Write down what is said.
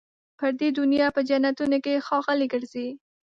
پر دې دنیا په جنتونو کي ښاغلي ګرځي